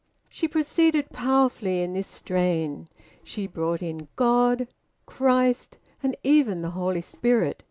She proceeded powerfully in this strain. She brought in God, Christ, and even the Holy Spirit.